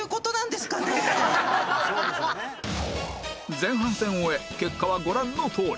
前半戦を終え結果はご覧のとおり